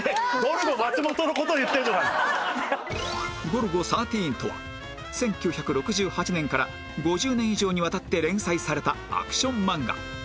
『ゴルゴ１３』とは１９６８年から５０年以上にわたって連載されたアクション漫画